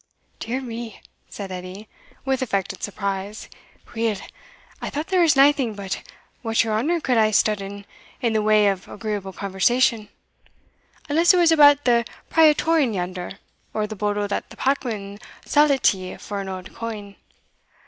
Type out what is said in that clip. "Dear me!" said Edie, with affected surprise; "weel, I thought there was naething but what your honour could hae studden in the way o' agreeable conversation, unless it was about the Praetorian yonder, or the bodle that the packman sauld to ye for an auld coin."